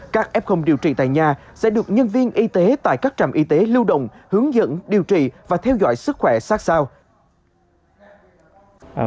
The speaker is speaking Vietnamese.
các f điều trị tại nhà sẽ được nhân viên y tế tại các trạm y tế lưu động hướng dẫn điều trị và theo dõi sức khỏe sát sao